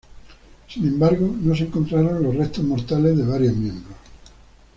Sin embargo, no se encontraron los restos mortales de varios miembros.